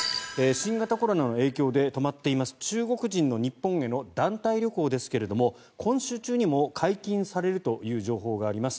新型コロナの影響で止まっています中国人の日本への団体旅行ですけれど今週中にも解禁されるという情報があります。